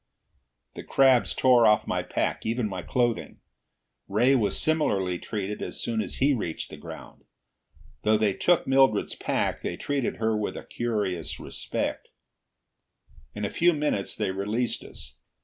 The crabs tore off my pack, even my clothing. Ray was similarly treated as soon as he reached the ground. Though they took Mildred's pack, they treated her with a curious respect. In a few minutes they released us.